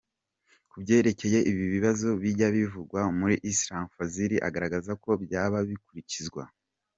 Ku byerekeye ibibazo bijya bivugwa muri Islam, Fazil agaragaza ko byaba bikuririzwa.